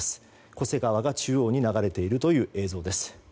巨瀬川が中央に流れているという映像です。